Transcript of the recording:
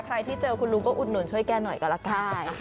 ใครที่เจอคุณลุงก็อุดนวนช่วยแกหน่อยก่อนละกาย